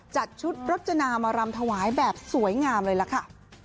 จัดชุดรจนามารำถวายแบบสวยงามเลยล่ะค่ะ